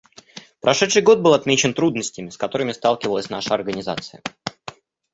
Прошедший год был отмечен трудностями, с которыми сталкивалась наша Организация.